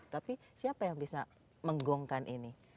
tapi siapa yang bisa menggongkan ini